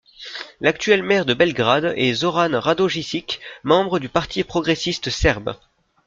L'actuel maire de Belgrade est Zoran Radojičić, membre du Parti progressiste serbe.